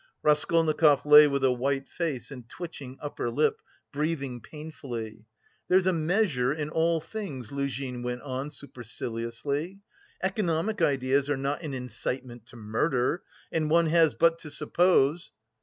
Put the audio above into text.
Raskolnikov lay with a white face and twitching upper lip, breathing painfully. "There's a measure in all things," Luzhin went on superciliously. "Economic ideas are not an incitement to murder, and one has but to suppose..."